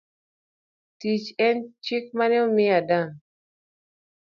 Tich en chik mane omi Adam.